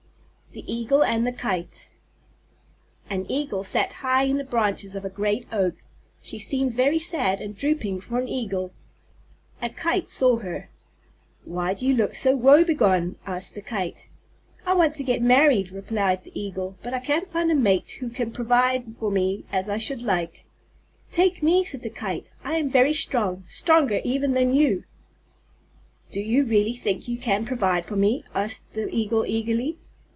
_ THE EAGLE AND THE KITE An Eagle sat high in the branches of a great Oak. She seemed very sad and drooping for an Eagle. A Kite saw her. "Why do you look so woebegone?" asked the Kite. "I want to get married," replied the Eagle, "and I can't find a mate who can provide for me as I should like." "Take me," said the Kite; "I am very strong, stronger even than you!" "Do you really think you can provide for me?" asked the Eagle eagerly.